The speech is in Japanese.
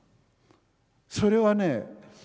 それはね